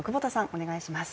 お願いします。